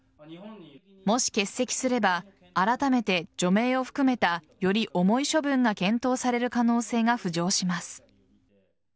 もし欠席すればあらためて除名を含めたより重い処分が検討される可能性が浮上します。